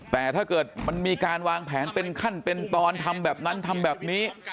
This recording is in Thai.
แต่ถ้าเกิดมันมีการวางแผนเป็นขั้นเป็นตอนทำแบบนั้นทำแบบนี้